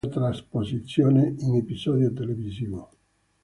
Di questo romanzo è stata fatta una trasposizione in episodio televisivo.